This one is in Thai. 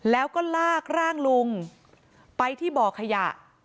แล้วก็ลากร่างลุงไปที่บ่อขยะ